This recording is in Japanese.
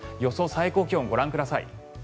最高気温をご覧ください。